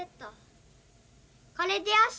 これでよし。